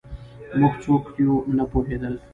موږ څوک یو نه پوهېدل